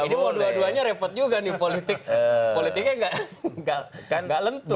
ini dua duanya repot juga nih politiknya politiknya enggak lentur